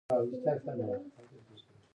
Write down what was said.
نجلۍ به واچوي وشا ته بسته